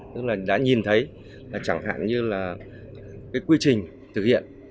tức là đã nhìn thấy chẳng hạn như là cái quy trình thực hiện